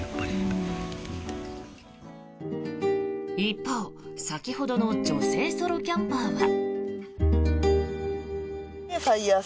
一方、先ほどの女性ソロキャンパーは。